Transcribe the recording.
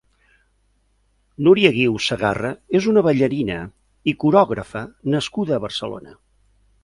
Nuria Guiu Sagarra és una ballarina i corògrafa nascuda a Barcelona.